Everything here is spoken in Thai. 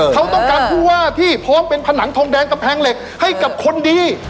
เขาต้องการผู้ว่าที่พร้อมเป็นผนังทองแดงกำแพงเหล็กให้กับคนดี